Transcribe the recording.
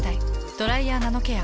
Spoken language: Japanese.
「ドライヤーナノケア」。